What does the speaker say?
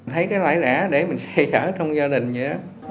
thấy cái lãi rẻ để mình xây ở trong gia đình vậy đó